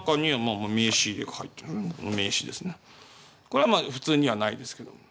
これはまあ普通にはないですけども。